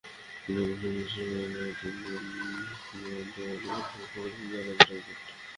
অবশ্যই নিজ নিজ ব্যবহার্য জিনিস যেমন তোয়ালে, বালিশের কভার ইত্যাদি আলাদা রাখবেন।